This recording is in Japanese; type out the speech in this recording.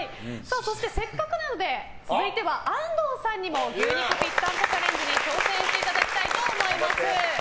そしてせっかくなので続いては安藤さんにも牛肉ぴったんこチャレンジに挑戦していただきたいと思います。